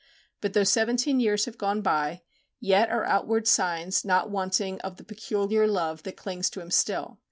But though seventeen years have gone by, yet are outward signs not wanting of the peculiar love that clings to him still.